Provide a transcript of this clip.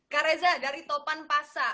kak reza dari topan pasak